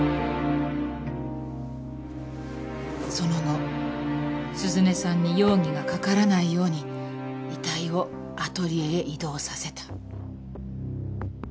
その後涼音さんに容疑がかからないように遺体をアトリエへ移動させた。